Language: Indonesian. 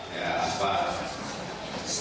mohon maaf mas pak junaidah